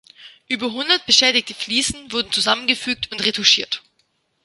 Über hundert beschädigte Fliesen wurden zusammengefügt und retuschiert.